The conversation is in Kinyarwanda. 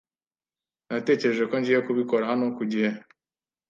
Natekereje ko ngiye kubikora hano ku gihe.